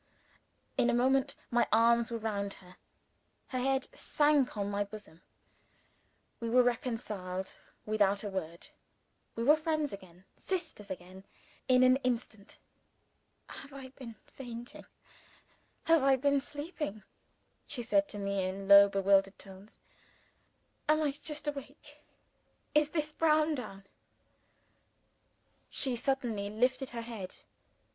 In a moment, my arms were round her. Her head sank on my bosom. We were reconciled without a word. We were friends again, sisters again, in an instant. "Have I been fainting? have I been sleeping?" she said to me in low, bewildered tones. "Am I just awake? Is this Browndown?" She suddenly lifted her head.